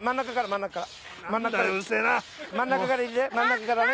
ん中から入れて真ん中からね。